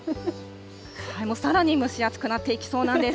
さらに蒸し暑くなっていきそうなんです。